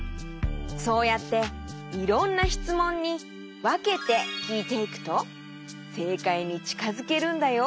そうやっていろんなしつもんにわけてきいていくとせいかいにちかづけるんだよ。